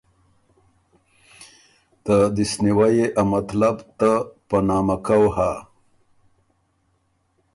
ته دِست نیوئ يې ا مطلب ته په نامکؤ هۀ“